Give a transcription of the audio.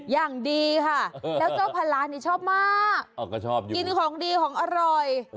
อย่างดีค่ะแล้วเจ้าพลานี่ชอบมากกินของดีของอร่อย